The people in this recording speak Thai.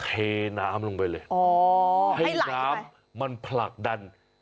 เทน้ำลงไปเลยให้ล้ายไป